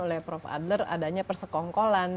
oleh prof adler adanya persekongkolan